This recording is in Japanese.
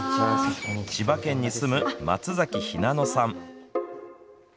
千葉県に住む松崎雛乃さん。